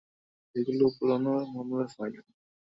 এগুলো পুরানো মামলার ফাইল।